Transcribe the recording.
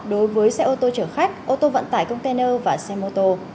đối với xe ô tô chở khách ô tô vận tải container và xe mô tô